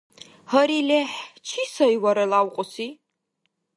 Гьари лехӀ! Чи сай вара лявкьуси?